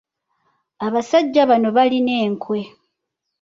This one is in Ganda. Abasajja bano balina enkwe.